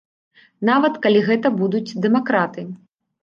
Нават калі гэта будуць дэмакраты.